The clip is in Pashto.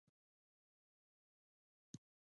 موږ خدای لرو.